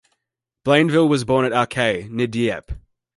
Blainville was born at Arques, near Dieppe.